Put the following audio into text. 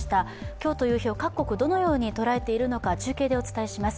今日という日を各国どう捉えているのか、中継でお伝えします。